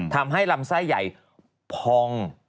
ทำให้ลำไส้ใหญ่พอง